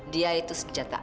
dia itu senjata atas